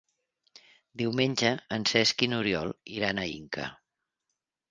Diumenge en Cesc i n'Oriol iran a Inca.